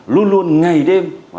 luôn luôn ngày đêm